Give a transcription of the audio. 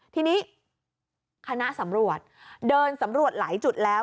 ทีนี้คณะสำรวจเดินสำรวจหลายจุดแล้ว